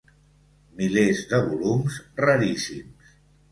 Milers de volums raríssims.